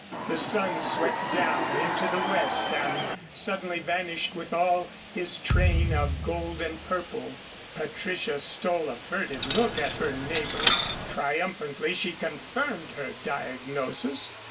The sun swept down into the west and suddenly vanished with all his train of gold and purple. Patricia stole a furtive look at her neighbor. Triumphantly she confirmed her diagnosis.